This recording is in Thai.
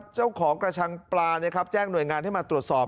เจ้าของกระชังปลาแจ้งหน่วยงานให้มาตรวจสอบ